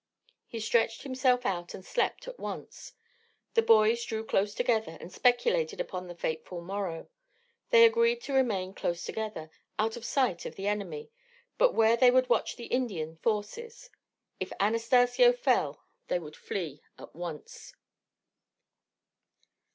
He stretched himself out and slept at once. The boys drew close together and speculated upon the fateful morrow. They agreed to remain close together, out of sight of the enemy, but where they could watch the Indian forces. If Anastacio fell they would flee at once.